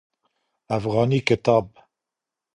افغاني کتاب